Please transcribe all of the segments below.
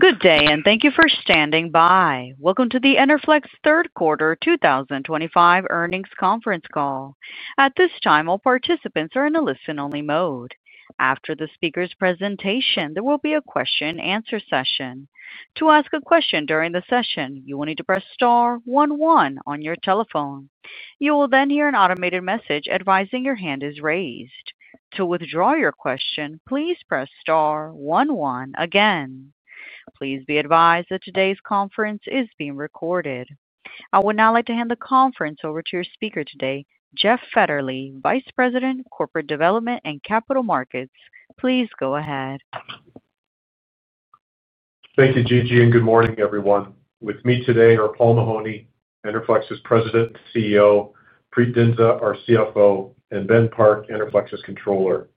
Good day, and thank you for standing by. Welcome to the Enerflex third quarter 2025 earnings conference call. At this time, all participants are in a listen-only mode. After the speaker's presentation, there will be a question-and-answer session. To ask a question during the session, you will need to press star one one on your telephone. You will then hear an automated message advising your hand is raised. To withdraw your question, please press star one one again. Please be advised that today's conference is being recorded. I would now like to hand the conference over to your speaker today, Jeff Fetterly, Vice President, Corporate Development and Capital Markets. Please go ahead. Thank you, Gigi, and good morning, everyone. With me today are Paul Mahoney, Enerflex's President and CEO, Preet Dhindsa, our CFO, and Ben Park, Enerflex's Controller.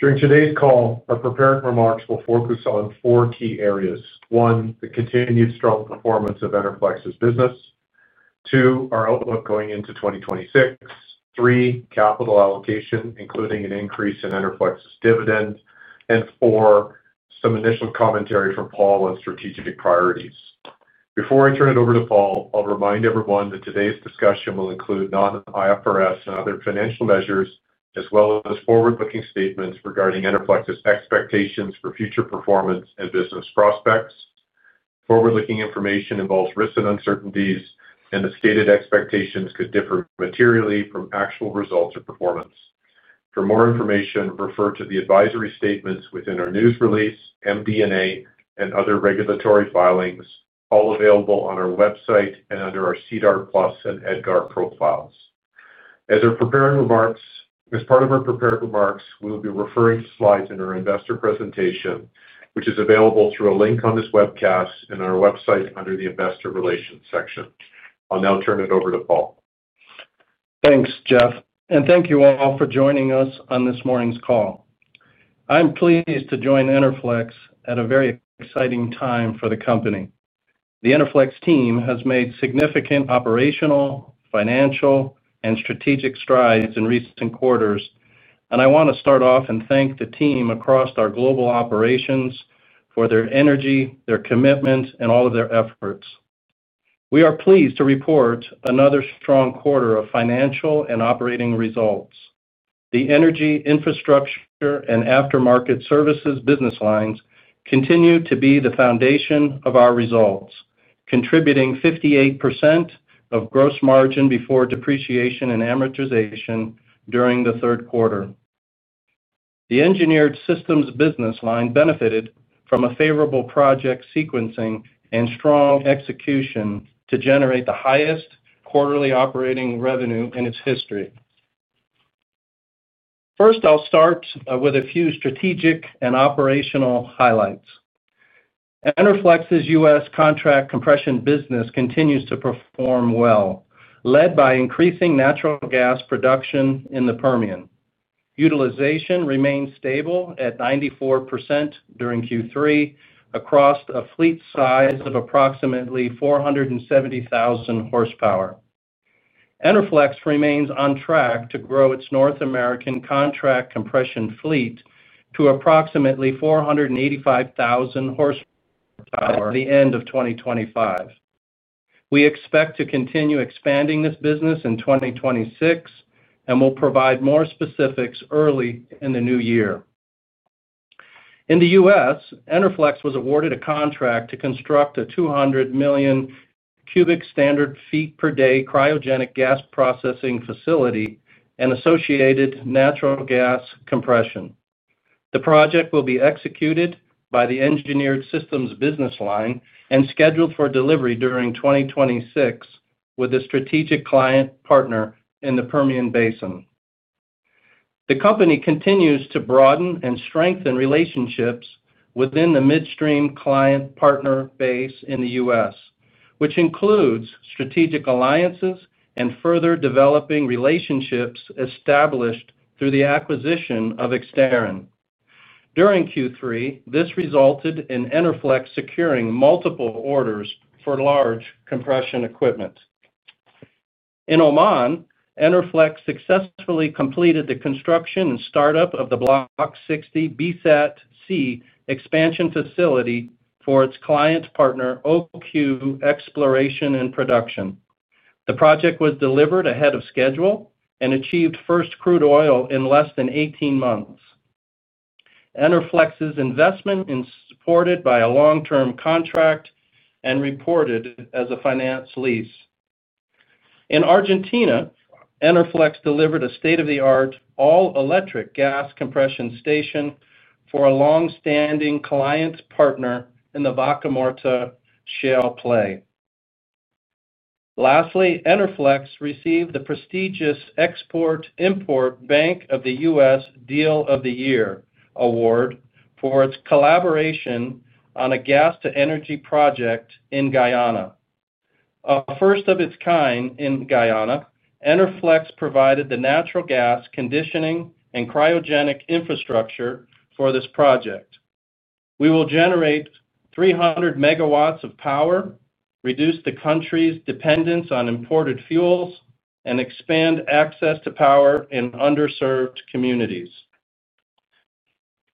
During today's call, our prepared remarks will focus on four key areas: one, the continued strong performance of Enerflex's business. Two, our outlook going into 2026; three, capital allocation, including an increase in Enerflex's dividend; and four, some initial commentary from Paul on strategic priorities. Before I turn it over to Paul, I'll remind everyone that today's discussion will include non-IFRS and other financial measures, as well as forward-looking statements regarding Enerflex's expectations for future performance and business prospects. Forward-looking information involves risks and uncertainties, and the stated expectations could differ materially from actual results or performance. For more information, refer to the advisory statements within our news release, MD&A, and other regulatory filings, all available on our website and under our SEDAR+ and EDGAR profiles. As part of our prepared remarks, we will be referring to slides in our investor presentation, which is available through a link on this webcast and our website under the investor relations section. I'll now turn it over to Paul. Thanks, Jeff, and thank you all for joining us on this morning's call. I'm pleased to join Enerflex at a very exciting time for the company. The Enerflex team has made significant operational, financial, and strategic strides in recent quarters, and I want to start off and thank the team across our global operations for their energy, their commitment, and all of their efforts. We are pleased to report another strong quarter of financial and operating results. The energy, infrastructure, and aftermarket services business lines continue to be the foundation of our results, contributing 58% of gross margin before depreciation and amortization during the third quarter. The Engineered Systems business line benefited from a favorable project sequencing and strong execution to generate the highest quarterly operating revenue in its history. First, I'll start with a few strategic and operational highlights. Enerflex's U.S. Contract compression business continues to perform well, led by increasing natural gas production in the Permian. Utilization remains stable at 94% during Q3 across a fleet size of approximately 470,000 horsepower. Enerflex remains on track to grow its North American contract compression fleet to approximately 485,000 horsepower by the end of 2025. We expect to continue expanding this business in 2026 and will provide more specifics early in the new year. In the U.S., Enerflex was awarded a contract to construct a 200 million cubic standard feet per day cryogenic gas processing facility and associated natural gas compression. The project will be executed by the Engineered Systems business line and scheduled for delivery during 2026 with a strategic client partner in the Permian Basin. The company continues to broaden and strengthen relationships within the midstream client partner base in the U.S., which includes strategic alliances and further developing relationships established through the acquisition of Exterran. During Q3, this resulted in Enerflex securing multiple orders for large compression equipment. In Oman, Enerflex successfully completed the construction and startup of the Block 60 Bisat-C Expansion facility for its client partner, OQ Exploration and Production. The project was delivered ahead of schedule and achieved first crude oil in less than 18 months. Enerflex's investment is supported by a long-term contract and reported as a finance lease. In Argentina, Enerflex delivered a state-of-the-art, all-electric gas compression station for a longstanding client partner in the Vaca Muerta shale play. Lastly, Enerflex received the prestigious Export-Import Bank of the U.S. Deal of the Year award for its collaboration on a gas-to-energy project in Guyana. First of its kind in Guyana, Enerflex provided the natural gas conditioning and cryogenic infrastructure for this project. We will generate 300 MW of power, reduce the country's dependence on imported fuels, and expand access to power in underserved communities.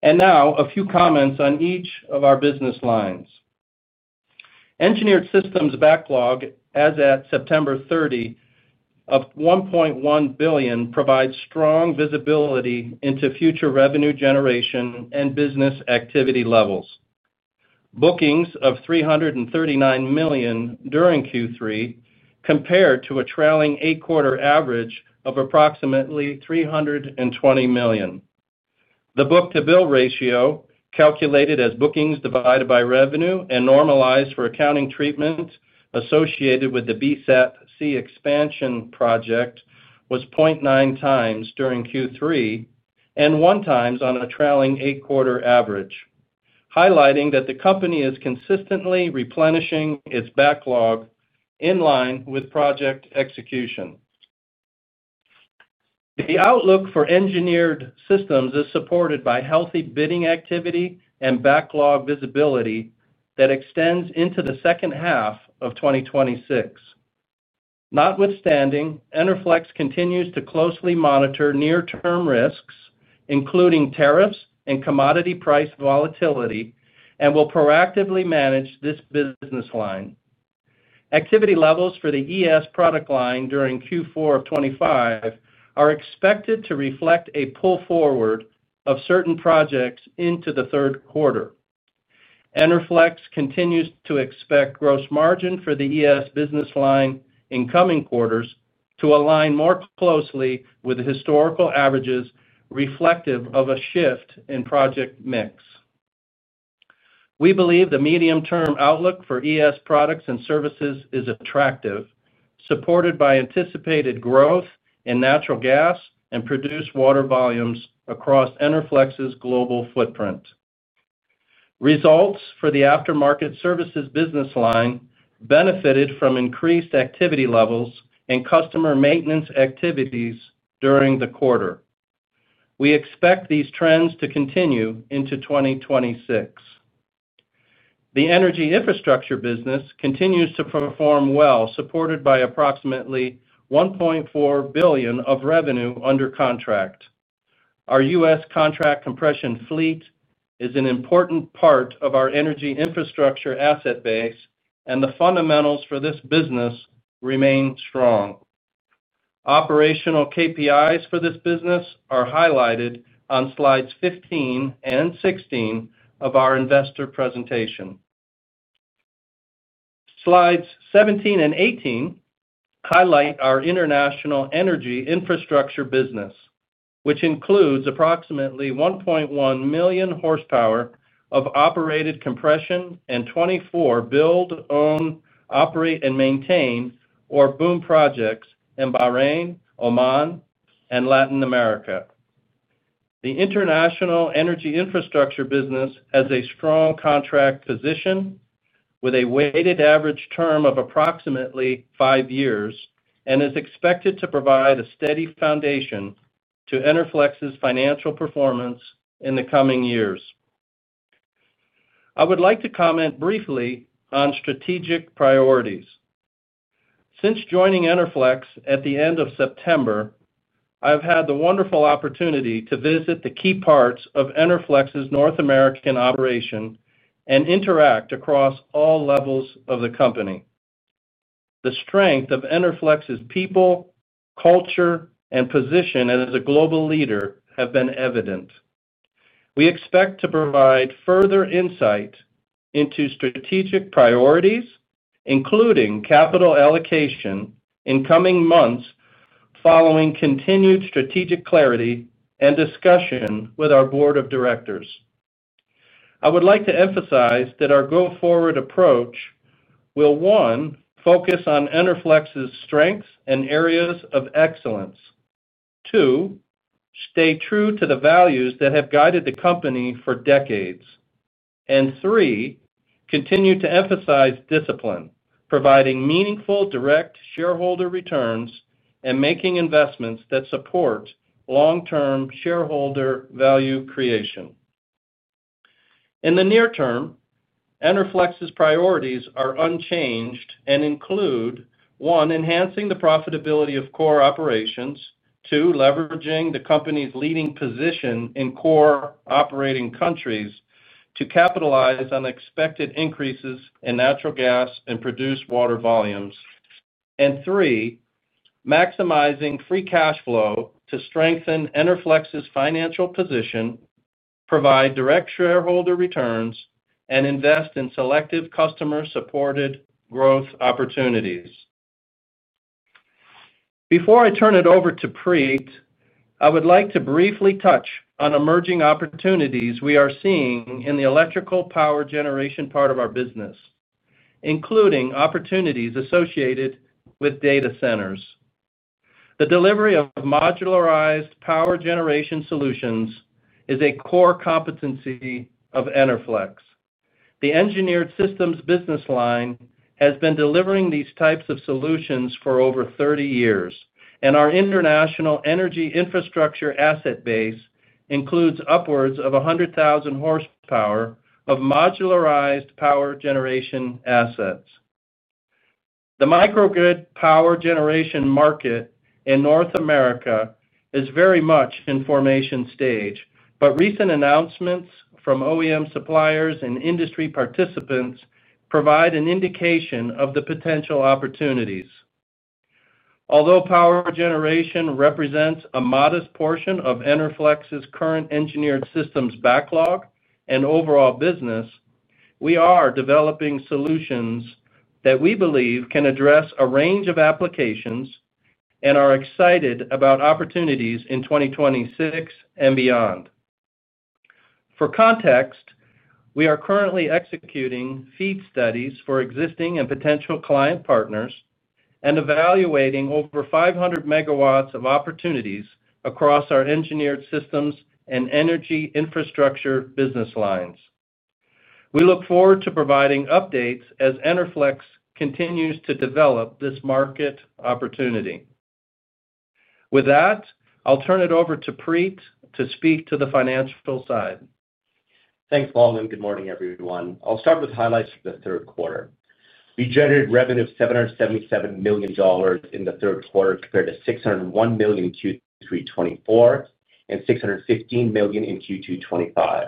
A few comments on each of our business lines. Engineered Systems backlog, as at September 30, of $1.1 billion, provides strong visibility into future revenue generation and business activity levels. Bookings of $339 million during Q3 compared to a trailing eight-quarter average of approximately $320 million. The Book-to-Bill ratio, calculated as bookings divided by revenue and normalized for accounting treatment associated with the Bisat-C Expansion project, was 0.9 times during Q3. One times on a trailing eight-quarter average, highlighting that the company is consistently replenishing its backlog in line with project execution. The outlook for Engineered Systems is supported by healthy bidding activity and backlog visibility that extends into the second half of 2026. Notwithstanding, Enerflex continues to closely monitor near-term risks, including tariffs and commodity price volatility, and will proactively manage this business line. Activity levels for the ES product line during Q4 of 2025 are expected to reflect a pull forward of certain projects into the third quarter. Enerflex continues to expect gross margin for the ES business line in coming quarters to align more closely with historical averages reflective of a shift in project mix. We believe the medium-term outlook for ES products and services is attractive, supported by anticipated growth in natural gas and produced water volumes across Enerflex's global footprint. Results for the After-Market Services business line benefited from increased activity levels and customer maintenance activities during the quarter. We expect these trends to continue into 2026. The energy infrastructure business continues to perform well, supported by approximately $1.4 billion of revenue under contract. Our U.S. contract compression fleet is an important part of our energy infrastructure asset base, and the fundamentals for this business remain strong. Operational KPIs for this business are highlighted on slides 15 and 16 of our investor presentation. Slides 17 and 18 highlight our international energy infrastructure business, which includes approximately 1.1 million horsepower of operated compression and 24 build-own, operate, and maintain, or BOOM projects in Bahrain, Oman, and Latin America. The international energy infrastructure business has a strong contract position, with a weighted average term of approximately five years and is expected to provide a steady foundation to Enerflex's financial performance in the coming years. I would like to comment briefly on strategic priorities. Since joining Enerflex at the end of September. I've had the wonderful opportunity to visit the key parts of Enerflex's North American operation and interact across all levels of the company. The strength of Enerflex's people, culture, and position as a global leader have been evident. We expect to provide further insight into strategic priorities, including capital allocation in coming months following continued strategic clarity and discussion with our board of directors. I would like to emphasize that our go-forward approach will, one, focus on Enerflex's strengths and areas of excellence. Two, stay true to the values that have guided the company for decades. Three, continue to emphasize discipline, providing meaningful direct shareholder returns and making investments that support long-term shareholder value creation. In the near term, Enerflex's priorities are unchanged and include. One, enhancing the profitability of core operations. Two, leveraging the company's leading position in core operating countries to capitalize on expected increases in natural gas and produced water volumes. Three, maximizing free cash flow to strengthen Enerflex's financial position, provide direct shareholder returns, and invest in selective customer-supported growth opportunities. Before I turn it over to Preet, I would like to briefly touch on emerging opportunities we are seeing in the electrical power generation part of our business, including opportunities associated with data centers. The delivery of modularized power generation solutions is a core competency of Enerflex. The Engineered Systems business line has been delivering these types of solutions for over 30 years, and our international Energy Infrastructure asset base includes upwards of 100,000 horsepower of modularized power generation assets. The microgrid power generation market in North America is very much in formation stage, but recent announcements from OEM suppliers and industry participants provide an indication of the potential opportunities. Although power generation represents a modest portion of Enerflex's current Engineered Systems backlog and overall business, we are developing solutions that we believe can address a range of applications and are excited about opportunities in 2026 and beyond. For context, we are currently executing feed studies for existing and potential client partners and evaluating over 500 MW of opportunities across our Engineered Systems and Energy Infrastructure business lines. We look forward to providing updates as Enerflex continues to develop this market opportunity. With that, I'll turn it over to Preet to speak to the financial side. Thanks, Paul, and good morning, everyone. I'll start with highlights for the third quarter. We generated revenue of $777 million in the third quarter compared to $601 million in Q3 2024 and $615 million in Q2 2025.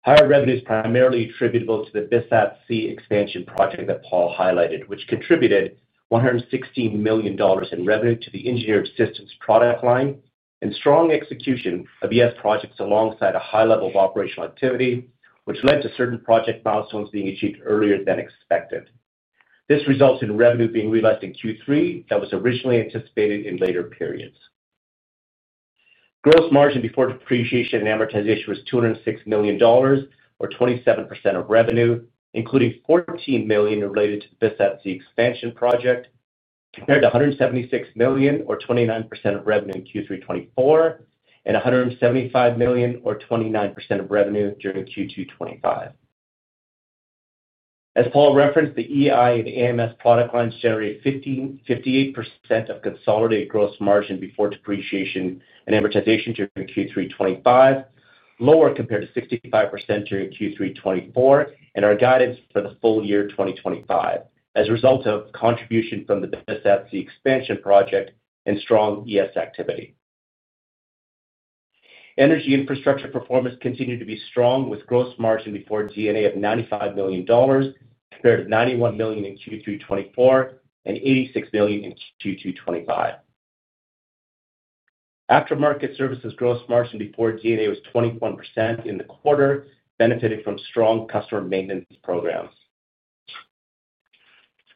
Higher revenue is primarily attributable to the Bisat-C Expansion project that Paul highlighted, which contributed $116 million in revenue to the Engineered Systems product line and strong execution of ES projects alongside a high level of operational activity, which led to certain project milestones being achieved earlier than expected. This results in revenue being realized in Q3 that was originally anticipated in later periods. Gross margin before depreciation and amortization was $206 million, or 27% of revenue, including $14 million related to the Bisat-C Expansion project, compared to $176 million, or 29% of revenue in Q3 2024, and $175 million, or 29% of revenue during Q2 2025. As Paul referenced, the EI and AMS product lines generated 58% of consolidated gross margin before depreciation and amortization during Q3 2025, lower compared to 65% during Q3 2024, and our guidance for the full year 2025 as a result of contribution from the Bisat-C Expansion project and strong ES activity. Energy Infrastructure performance continued to be strong with gross margin before D&A of $95 million, compared to $91 million in Q3 2024 and $86 million in Q2 2025. After-Market Services gross margin before D&A was 21% in the quarter, benefiting from strong customer maintenance programs.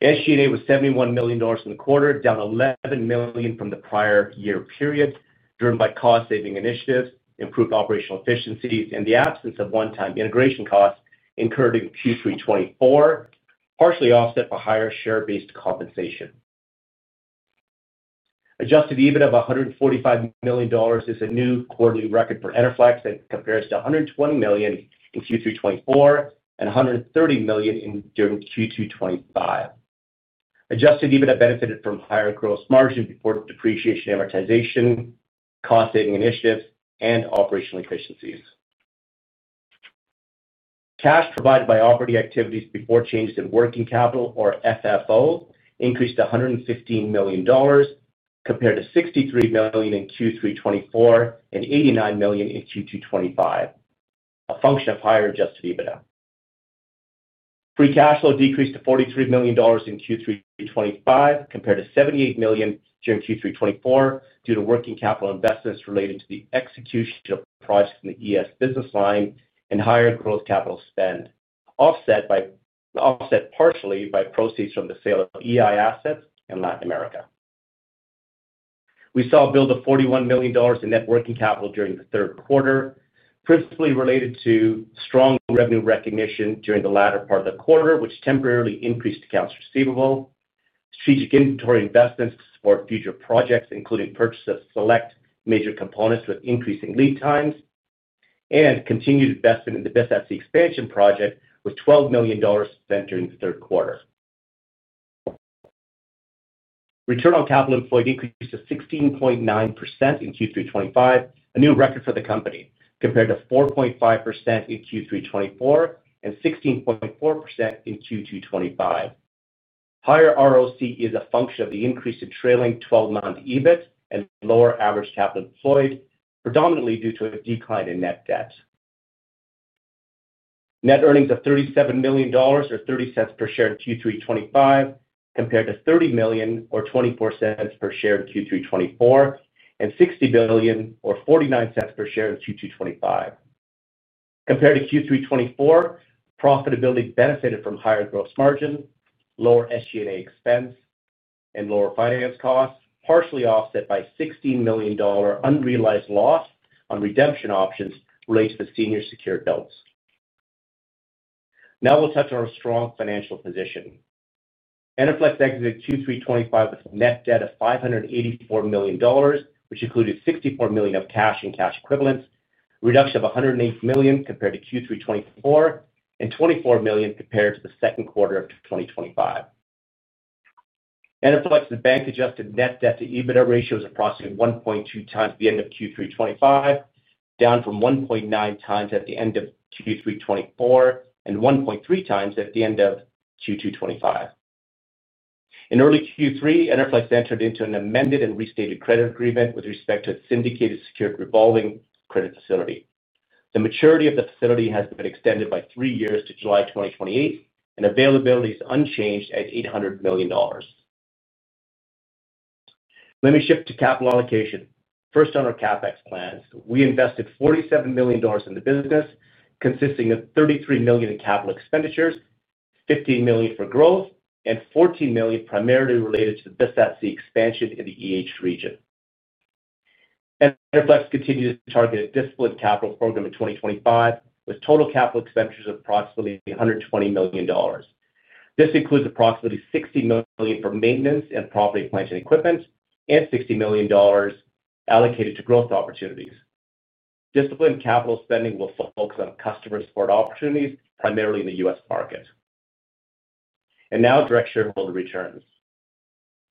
SG&A was $71 million in the quarter, down $11 million from the prior year period, driven by cost-saving initiatives, improved operational efficiencies, and the absence of one-time integration costs incurred in Q3 2024, partially offset by higher share-based compensation. Adjusted EBITDA of $145 million is a new quarterly record for Enerflex that compares to $120 million in Q3 2024 and $130 million during Q2 2025. Adjusted EBITDA benefited from higher gross margin before depreciation and amortization, cost-saving initiatives, and operational efficiencies. Cash provided by operating activities before changes in working capital, or FFO, increased to $115 million, compared to $63 million in Q3 2024 and $89 million in Q2 2025. A function of higher Adjusted EBITDA. Free cash flow decreased to $43 million in Q3 2025 compared to $78 million during Q3 2024 due to working capital investments related to the execution of projects in the ES business line and higher gross capital spend, offset partially by proceeds from the sale of EI assets in Latin America. We saw a build of $41 million in net working capital during the third quarter, principally related to strong revenue recognition during the latter part of the quarter, which temporarily increased accounts receivable, strategic inventory investments to support future projects, including purchase of select major components with increasing lead times, and continued investment in the Bisat-C Expansion project with $12 million spent during the third quarter. Return on capital employed increased to 16.9% in Q3 2025, a new record for the company, compared to 4.5% in Q3 2024 and 16.4% in Q2 2025. Higher ROCE is a function of the increase in trailing 12-month EBIT and lower average capital employed, predominantly due to a decline in net debt. Net earnings of $37 million, or $0.30 per share in Q3 2025, compared to $30 million, or $0.24 per share in Q3 2024, and $60 million, or $0.49 per share in Q2 2025. Compared to Q3 2024, profitability benefited from higher gross margin, lower SG&A expense, and lower finance costs, partially offset by $16 million unrealized loss on redemption options related to the senior secured notes. Now we'll touch on our strong financial position. Enerflex exited Q3 2025 with a net debt of $584 million, which included $64 million of cash and cash equivalents, a reduction of $108 million compared to Q3 2024, and $24 million compared to the second quarter of 2025. Enerflex's bank-adjusted net debt to EBITDA ratio is approximately 1.2 times at the end of Q3 2025, down from 1.9 times at the end of Q3 2024 and 1.3 times at the end of Q2 2025. In early Q3, Enerflex entered into an amended and restated credit agreement with respect to its syndicated secured revolving credit facility. The maturity of the facility has been extended by three years to July 2028, and availability is unchanged at $800 million. Let me shift to capital allocation. First, on our CapEx plans, we invested $47 million in the business, consisting of $33 million in capital expenditures, $15 million for growth, and $14 million primarily related to the Bisat-C Expansion in the region. Enerflex continued to target a disciplined capital program in 2025, with total capital expenditures of approximately $120 million. This includes approximately $60 million for maintenance and property plant and equipment and $60 million allocated to growth opportunities. Disciplined capital spending will focus on customer support opportunities, primarily in the U.S. market. Now, direct shareholder returns.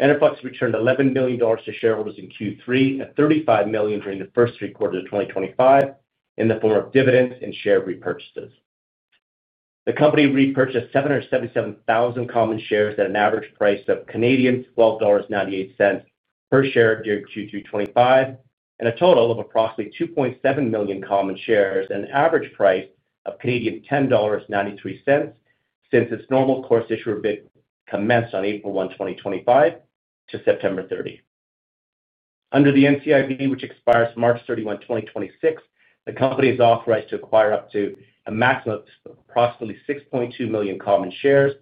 Enerflex returned $11 million to shareholders in Q3 and $35 million during the first three quarters of 2025 in the form of dividends and share repurchases. The company repurchased 777,000 common shares at an average price of 12.98 Canadian dollars per share during Q2 2025, and a total of approximately 2.7 million common shares at an average price of 10.93 Canadian dollars since its normal course issuer bid commenced on April 1, 2025, to September 30. Under the NCIB, which expires March 31, 2026, the company is authorized to acquire up to a maximum of approximately 6.2 million common shares,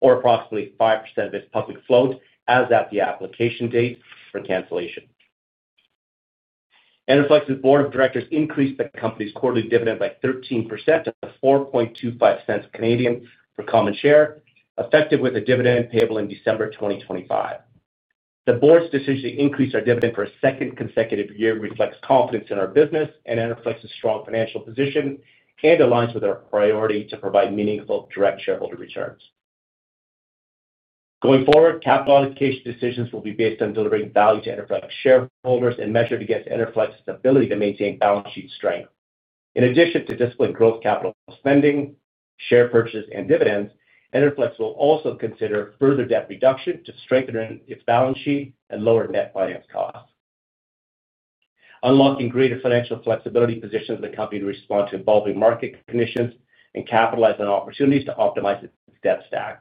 or approximately 5% of its public float, as at the application date, for cancellation. Enerflex's board of directors increased the company's quarterly dividend by 13% at 0.0425 for common share, effective with a dividend payable in December 2025. The board's decision to increase our dividend for a second consecutive year reflects confidence in our business and Enerflex's strong financial position and aligns with our priority to provide meaningful direct shareholder returns. Going forward, capital allocation decisions will be based on delivering value to Enerflex shareholders and measured against Enerflex's ability to maintain balance sheet strength. In addition to disciplined gross capital spending, share purchases, and dividends, Enerflex will also consider further debt reduction to strengthen its balance sheet and lower net finance costs. Unlocking greater financial flexibility positions the company to respond to evolving market conditions and capitalize on opportunities to optimize its debt stack.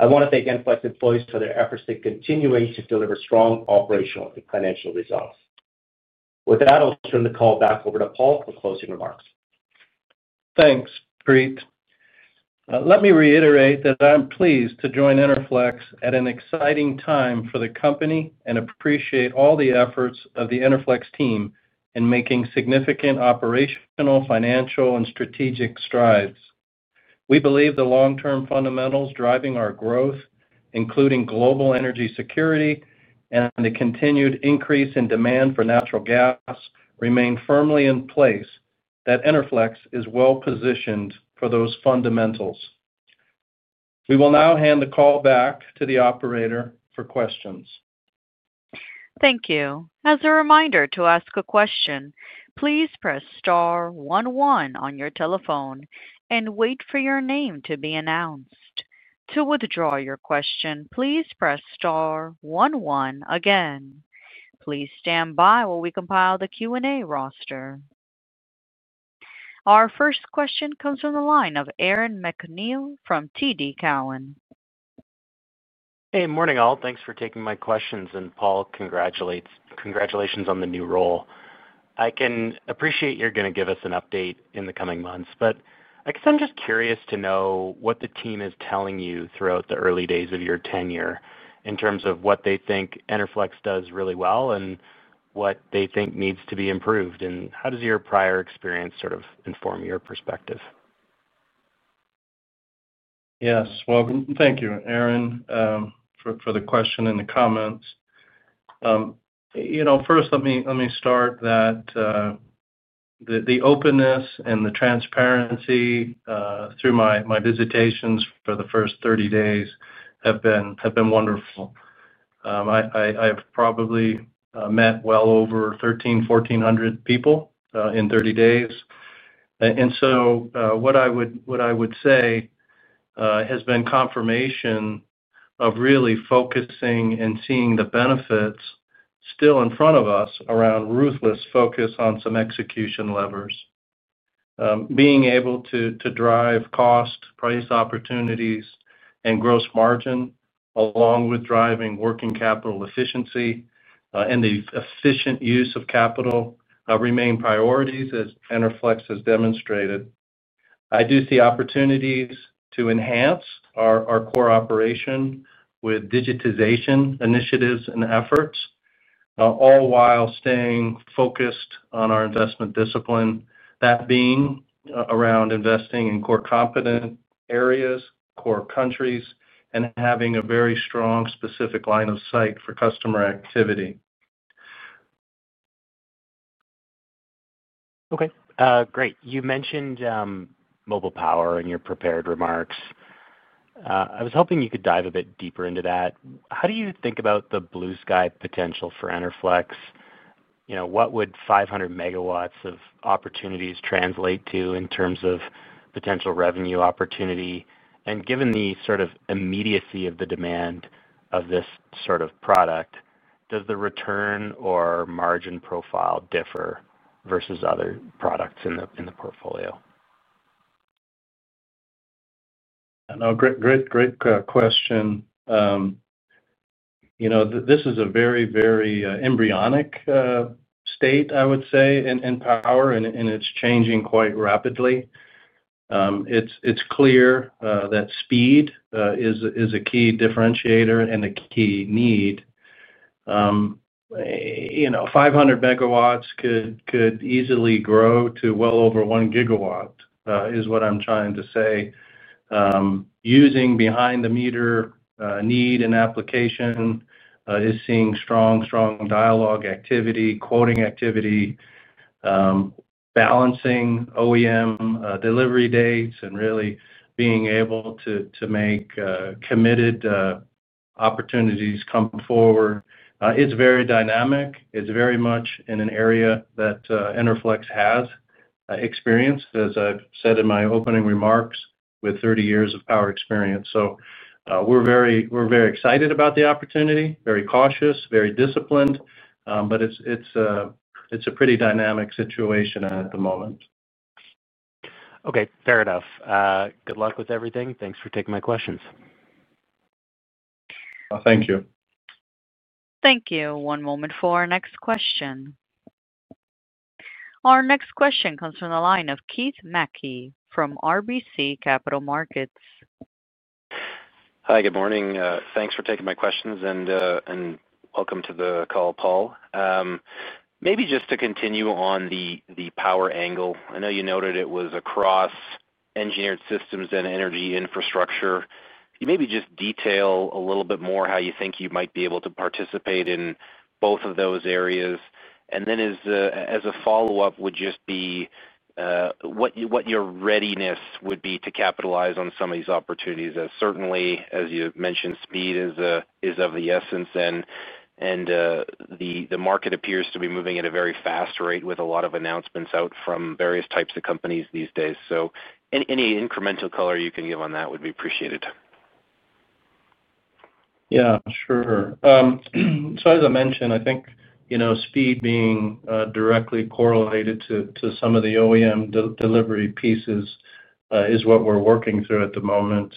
I want to thank Enerflex employees for their efforts to continue to deliver strong operational and financial results. With that, I'll turn the call back over to Paul for closing remarks. Thanks, Preet. Let me reiterate that I'm pleased to join Enerflex at an exciting time for the company and appreciate all the efforts of the Enerflex team in making significant operational, financial, and strategic strides. We believe the long-term fundamentals driving our growth, including global energy security and the continued increase in demand for natural gas, remain firmly in place, that Enerflex is well positioned for those fundamentals. We will now hand the call back to the operator for questions. Thank you. As a reminder to ask a question, please press star one one on your telephone and wait for your name to be announced. To withdraw your question, please press star one one again. Please stand by while we compile the Q&A roster. Our first question comes from the line of Aaron MacNeil from TD Cowen. Hey, morning, all. Thanks for taking my questions. Paul, congratulations on the new role. I can appreciate you're going to give us an update in the coming months. I guess I'm just curious to know what the team is telling you throughout the early days of your tenure in terms of what they think Enerflex does really well and what they think needs to be improved. How does your prior experience sort of inform your perspective? Yes. Thank you, Aaron, for the question and the comments. First, let me start that the openness and the transparency through my visitations for the first 30 days have been wonderful. I have probably met well over 1,300-1,400 people in 30 days. What I would say has been confirmation of really focusing and seeing the benefits still in front of us around ruthless focus on some execution levers. Being able to drive cost, price opportunities, and gross margin, along with driving working capital efficiency and the efficient use of capital, remain priorities as Enerflex has demonstrated. I do see opportunities to enhance our core operation with digitization initiatives and efforts. All while staying focused on our investment discipline, that being around investing in core competent areas, core countries, and having a very strong specific line of sight for customer activity. Okay. Great. You mentioned MobilePower in your prepared remarks. I was hoping you could dive a bit deeper into that. How do you think about the blue sky potential for Enerflex? What would 500 MW of opportunities translate to in terms of potential revenue opportunity? Given the sort of immediacy of the demand of this sort of product, does the return or margin profile differ versus other products in the portfolio? No, great question. This is a very, very embryonic state, I would say, in power, and it's changing quite rapidly. It's clear that speed is a key differentiator and a key need. 500 MW could easily grow to well over 1 GW, is what I'm trying to say. Using behind-the-meter need and application is seeing strong, strong dialogue activity, quoting activity. Balancing OEM delivery dates, and really being able to make committed opportunities come forward. It's very dynamic. It's very much in an area that Enerflex has experienced, as I've said in my opening remarks with 30 years of power experience. We are very excited about the opportunity, very cautious, very disciplined, but it's a pretty dynamic situation at the moment. Okay. Fair enough. Good luck with everything. Thanks for taking my questions. Thank you. Thank you. One moment for our next question. Our next question comes from the line of Keith MacKey from RBC Capital Markets. Hi, good morning. Thanks for taking my questions and welcome to the call, Paul. Maybe just to continue on the power angle, I know you noted it was across Engineered Systems and Energy Infrastructure. You maybe just detail a little bit more how you think you might be able to participate in both of those areas. As a follow-up would just be what your readiness would be to capitalize on some of these opportunities. Certainly, as you mentioned, speed is of the essence. The market appears to be moving at a very fast rate with a lot of announcements out from various types of companies these days. Any incremental color you can give on that would be appreciated. Yeah, sure. As I mentioned, I think speed being directly correlated to some of the OEM delivery pieces is what we're working through at the moment.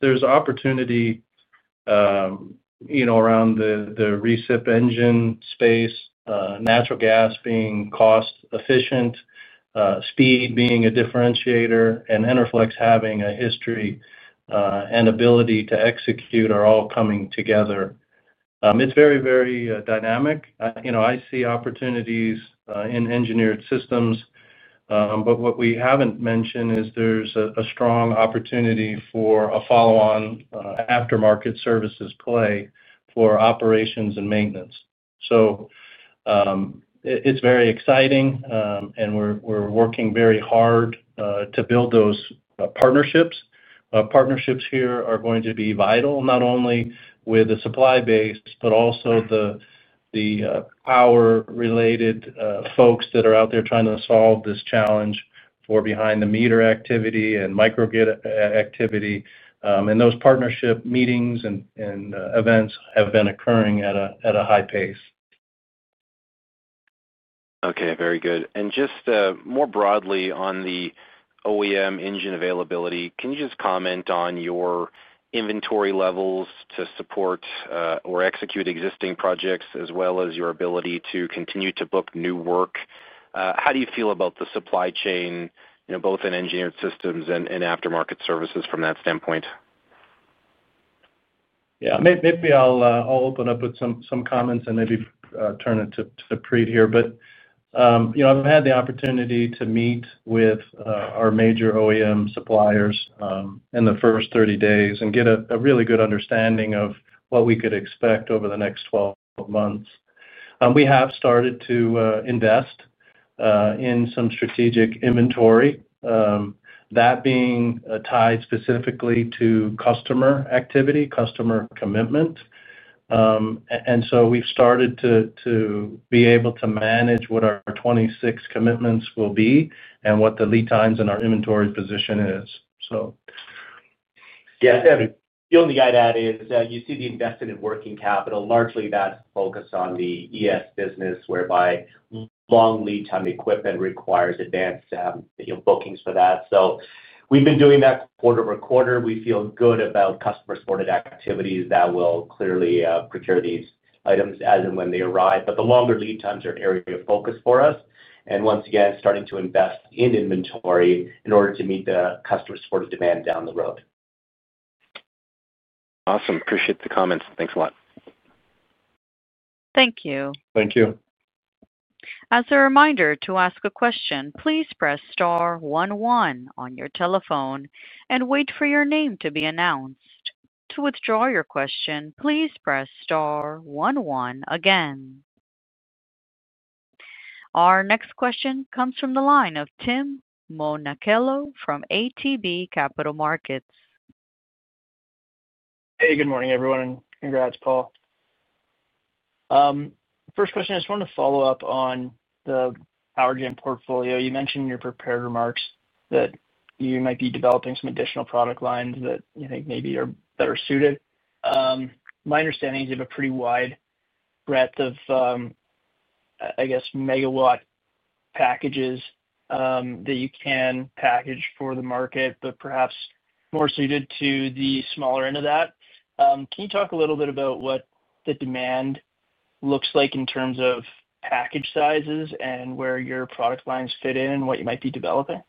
There's opportunity around the recip engine space, natural gas being cost-efficient. Speed being a differentiator, and Enerflex having a history and ability to execute are all coming together. It's very, very dynamic. I see opportunities in Engineered Systems. What we haven't mentioned is there's a strong opportunity for a follow-on After-Market Services play for operations and maintenance. It's very exciting, and we're working very hard to build those partnerships. Partnerships here are going to be vital, not only with the supply base, but also the power-related folks that are out there trying to solve this challenge for behind-the-meter activity and microgrid activity. Those partnership meetings and events have been occurring at a high pace. Okay. Very good. Just more broadly on the OEM engine availability, can you just comment on your inventory levels to support or execute existing projects, as well as your ability to continue to book new work? How do you feel about the supply chain, both in Engineered Systems and After-Market Services from that standpoint? Yeah. Maybe I'll open up with some comments and maybe turn it to Preet here. I've had the opportunity to meet with our major OEM suppliers in the first 30 days and get a really good understanding of what we could expect over the next 12 months. We have started to invest in some strategic inventory, that being tied specifically to customer activity, customer commitment. We have started to be able to manage what our 2026 commitments will be and what the lead times in our inventory position is. Yeah. The only add-on is you see the investment in working capital. Largely, that's focused on the ES business, whereby long lead time equipment requires advanced bookings for that. We have been doing that quarter over quarter. We feel good about customer-supported activities that will clearly procure these items as and when they arrive. The longer lead times are an area of focus for us. Once again, starting to invest in inventory in order to meet the customer-supported demand down the road. Awesome. Appreciate the comments. Thanks a lot. Thank you. Thank you. As a reminder to ask a question, please press star one one on your telephone and wait for your name to be announced. To withdraw your question, please press star one one again. Our next question comes from the line of Tim Monachello from ATB Capital Markets. Hey, good morning, everyone. Congrats, Paul. First question, I just want to follow up on the power gen portfolio. You mentioned in your prepared remarks that you might be developing some additional product lines that you think maybe are better suited. My understanding is you have a pretty wide breadth of, I guess, megawatt packages that you can package for the market, but perhaps more suited to the smaller end of that. Can you talk a little bit about what the demand looks like in terms of package sizes and where your product lines fit in and what you might be developing?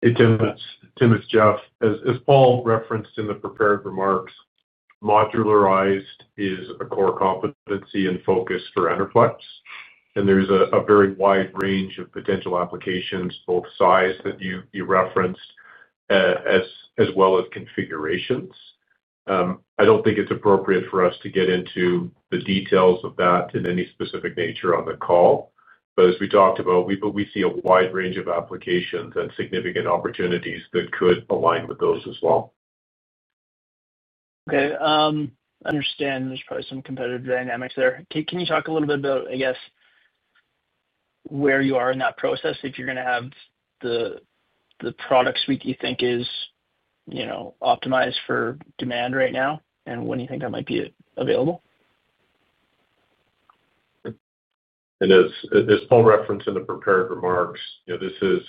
Hey, Tim. It's Jeff. As Paul referenced in the prepared remarks, modularized is a core competency and focus for Enerflex. There is a very wide range of potential applications, both size that you referenced, as well as configurations. I do not think it is appropriate for us to get into the details of that in any specific nature on the call. As we talked about, we see a wide range of applications and significant opportunities that could align with those as well. Okay. I understand there's probably some competitive dynamics there. Can you talk a little bit about, I guess, where you are in that process, if you're going to have the product suite you think is optimized for demand right now, and when you think that might be available? As Paul referenced in the prepared remarks, this is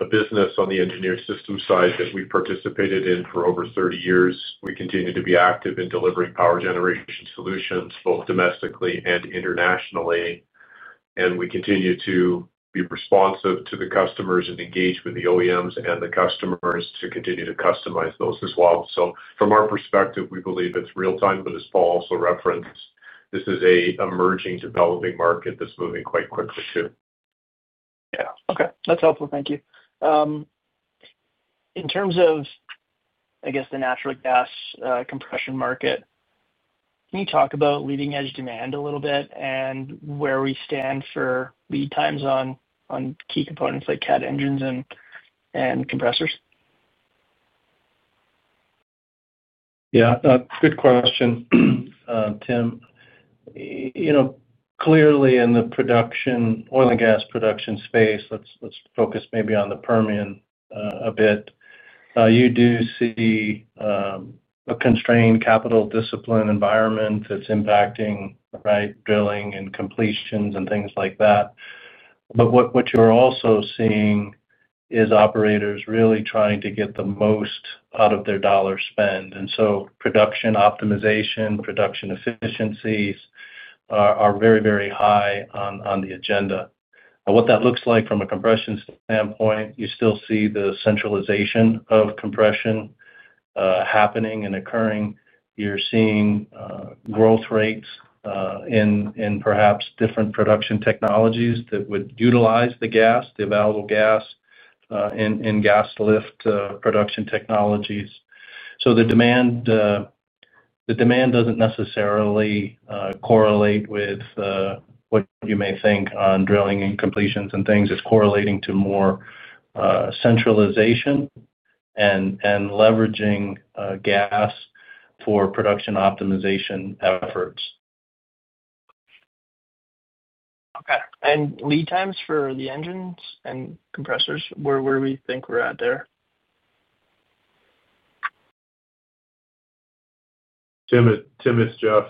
a business on the Engineered Systems side that we've participated in for over 30 years. We continue to be active in delivering power generation solutions, both domestically and internationally. We continue to be responsive to the customers and engage with the OEMs and the customers to continue to customize those as well. From our perspective, we believe it's real-time, but as Paul also referenced, this is an emerging developing market that's moving quite quickly too. Yeah. Okay. That's helpful. Thank you. In terms of, I guess, the natural gas compression market, can you talk about leading-edge demand a little bit and where we stand for lead times on key components like CAT engines and compressors? Yeah. Good question, Tim. Clearly, in the oil and gas production space, let's focus maybe on the Permian a bit. You do see a constrained capital discipline environment that's impacting drilling and completions and things like that. What you're also seeing is operators really trying to get the most out of their dollar spend. And so production optimization, production efficiencies, are very, very high on the agenda. What that looks like from a compression standpoint, you still see the centralization of compression happening and occurring. You're seeing growth rates in perhaps different production technologies that would utilize the gas, the available gas, in gas lift production technologies. So the demand does not necessarily correlate with what you may think on drilling and completions and things. It's correlating to more centralization and leveraging gas for production optimization efforts. Okay. Lead times for the engines and compressors, where do we think we're at there? Tim, it's Jeff.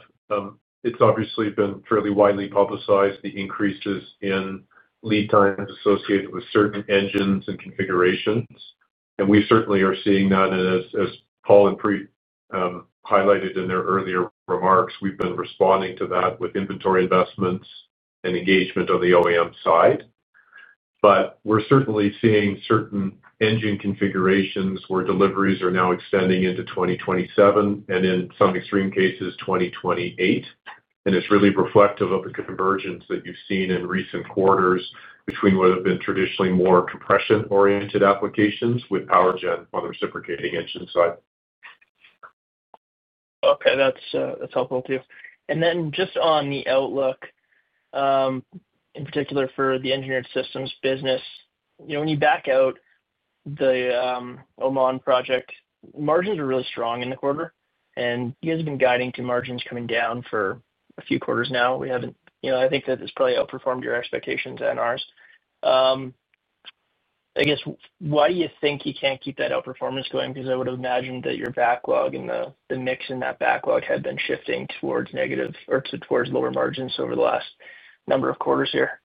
It's obviously been fairly widely publicized, the increases in lead times associated with certain engines and configurations. We certainly are seeing that, as Paul and Preet highlighted in their earlier remarks. We've been responding to that with inventory investments and engagement on the OEM side. We're certainly seeing certain engine configurations where deliveries are now extending into 2027 and in some extreme cases, 2028. It's really reflective of the convergence that you've seen in recent quarters between what have been traditionally more compression-oriented applications with power gen on the reciprocating engine side. Okay. That's helpful too. Then just on the outlook, in particular for the Engineered Systems business. When you back out the Oman project, margins are really strong in the quarter. You guys have been guiding to margins coming down for a few quarters now. I think that it's probably outperformed your expectations and ours. I guess, why do you think you can't keep that outperformance going? I would have imagined that your backlog and the mix in that backlog had been shifting towards negative or towards lower margins over the last number of quarters here.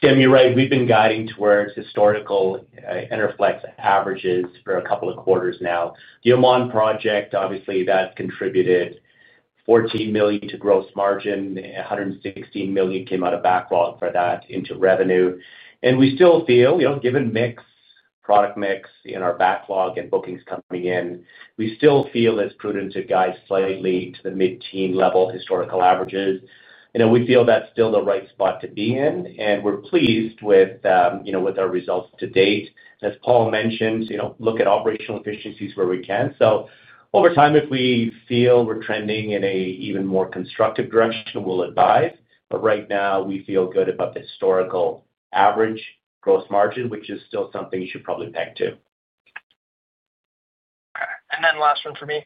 Tim, you're right. We've been guiding towards historical Enerflex averages for a couple of quarters now. The Oman project, obviously, that contributed $14 million to gross margin, $116 million came out of backlog for that into revenue. We still feel, given mixed product mix in our backlog and bookings coming in, we still feel it's prudent to guide slightly to the mid-teen level historical averages. We feel that's still the right spot to be in. We're pleased with our results to date. As Paul mentioned, look at operational efficiencies where we can. Over time, if we feel we're trending in an even more constructive direction, we'll advise. Right now, we feel good about the historical average gross margin, which is still something you should probably peg to. Okay. And then last one for me.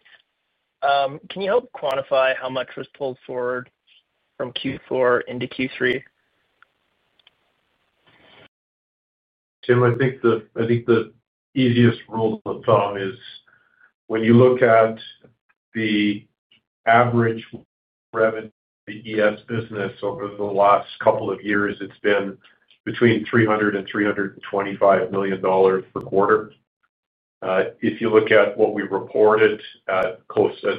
Can you help quantify how much was pulled forward from Q4 into Q3? Tim, I think the easiest rule of thumb is when you look at the average revenue of the ES business over the last couple of years, it's been between $300 million and $325 million per quarter. If you look at what we reported, at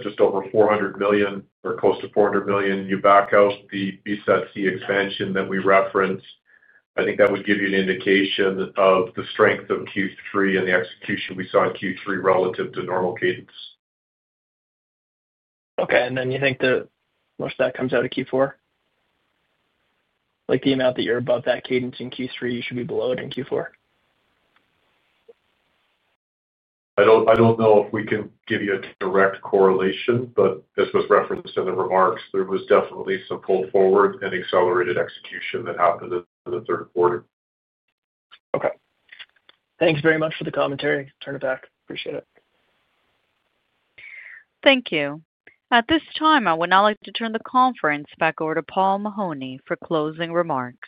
just over $400 million or close to $400 million, you back out the Bisat-C Expansion that we referenced, I think that would give you an indication of the strength of Q3 and the execution we saw in Q3 relative to normal cadence. Okay. You think most of that comes out of Q4? The amount that you are above that cadence in Q3, you should be below it in Q4? I don't know if we can give you a direct correlation, but as was referenced in the remarks, there was definitely some pull forward and accelerated execution that happened in the third quarter. Okay. Thanks very much for the commentary. Turn it back. Appreciate it. Thank you. At this time, I would now like to turn the conference back over to Paul Mahoney for closing remarks.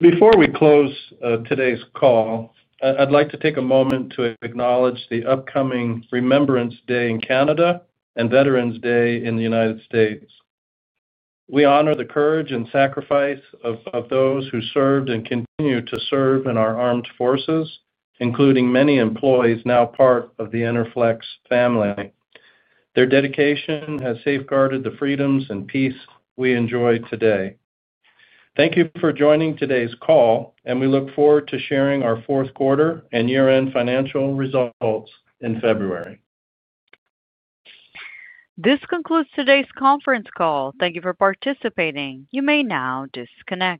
Before we close today's call, I'd like to take a moment to acknowledge the upcoming Remembrance Day in Canada and Veterans Day in the United States. We honor the courage and sacrifice of those who served and continue to serve in our armed forces, including many employees now part of the Enerflex family. Their dedication has safeguarded the freedoms and peace we enjoy today. Thank you for joining today's call, and we look forward to sharing our fourth quarter and year-end financial results in February. This concludes today's conference call. Thank you for participating. You may now disconnect.